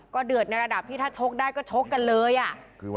เดือดในระดับที่ถ้าชกได้ก็ชกกันเลยอ่ะ